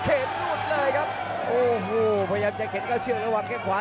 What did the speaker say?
เข็นรูดเลยครับโอ้โหพยายามจะเข็นก้าวเชื่อระหว่างแก้งขวา